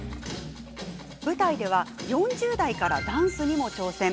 舞台では４０代からダンスにも挑戦。